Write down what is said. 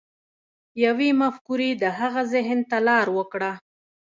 يوې مفکورې د هغه ذهن ته لار وکړه.